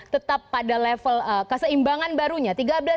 tetap pada level keseimbangan barunya